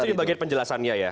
itu di bagian penjelasannya ya